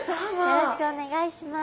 よろしくお願いします。